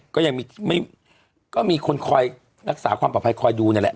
ก็ยังมีก็มีคนคอยรักษาความปลอดภัยคอยดูนั่นแหละ